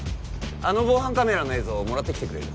あの防犯カメラの映像もらってきてくれる？